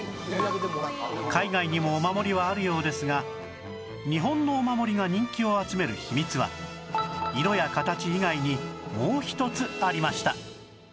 海外にもお守りはあるようですが日本のお守りが人気を集める秘密は色や形以外にもう一つありました